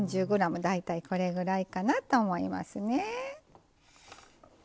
４０ｇ、大体これぐらいかなと思います。